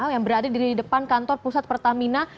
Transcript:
yang berada di depan kantor pusat pertamina